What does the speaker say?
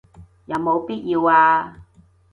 有冇必要啊